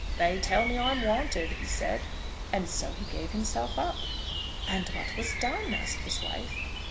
'They tell me I'm wanted,' he said; and so he gave himself up." "And what was done?" asked his wife.